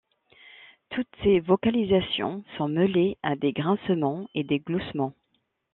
Toutes ces vocalisations sont mêlées à des grincements et des gloussements.